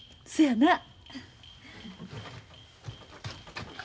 そやな。